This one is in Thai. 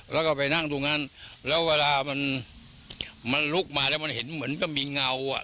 แล้วก็ไปนั่งตรงนั้นแล้วเวลามันมันลุกมาแล้วมันเห็นเหมือนก็มีเงาอ่ะ